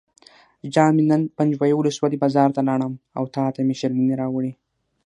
جان مې نن پنجوایي ولسوالۍ بازار ته لاړم او تاته مې شیرینۍ راوړې.